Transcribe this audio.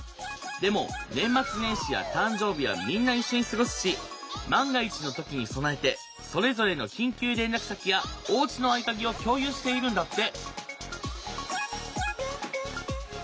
でも年末年始や誕生日はみんな一緒に過ごすし万が一の時に備えてそれぞれの緊急連絡先やおうちの合鍵を共有しているんだって。